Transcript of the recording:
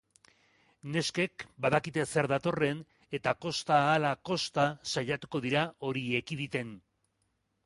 Neskek badakite zer datorren, eta kosta ahala kosta saiatuko dira hori ekiditen.